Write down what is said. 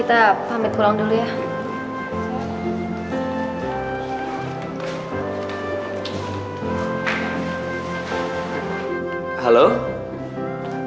tapi gasian pulang tidak bagus